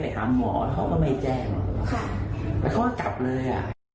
นี่เค้าไม่ช่วยหรือเนี่ย